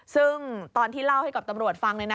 ซึ่งตอนที่เล่าให้กับตำรวจฟังเลยนะ